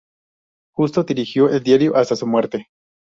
Justo dirigió el diario hasta su muerte.